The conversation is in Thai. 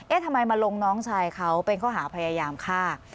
ทำไมมาลงน้องชายเขาเป็นข้อหาพยายามฆ่า